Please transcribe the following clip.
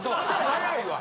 早いわ！